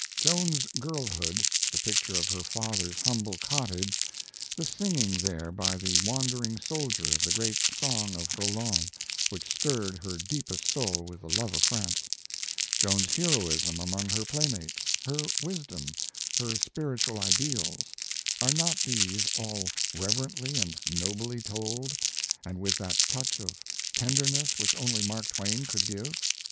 Joan's girlhood, the picture of her father's humble cottage, the singing there by the wandering soldier of the great song of Roland which stirred her deepest soul with the love of France, Joan's heroism among her playmates, her wisdom, her spiritual ideals are not these all reverently and nobly told, and with that touch of tenderness which only Mark Twain could give?